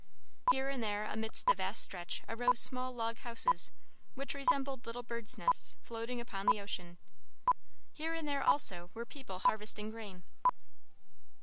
Here and there amidst the vast stretch arose small log houses, which resembled little birds' nests floating upon the ocean. Here and there, also, were people harvesting grain.